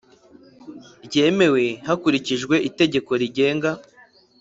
ryemewe hakurikijwe Itegeko rigenga